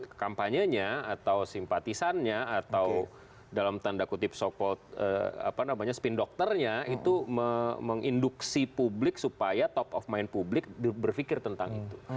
in the meantime tim apa namanya tim kampanyenya atau simpatisannya atau dalam tanda kutip so called spin dokternya itu menginduksi publik supaya top of mind publik berpikir tentang itu